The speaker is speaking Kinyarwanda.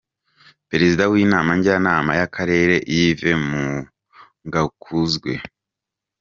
Perezida w’inama Njyanama y’Akarere Yves Mungakuzwe.